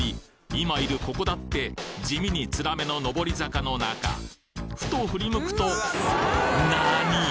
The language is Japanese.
今いるここだって地味につらめののぼり坂の中ふと振り向くと何！？